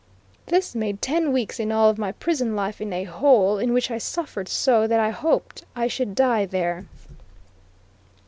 This made ten weeks in all of my prison life in a hole in which I suffered so that I hoped I should die there.